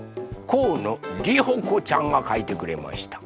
こうのりほこちゃんがかいてくれました。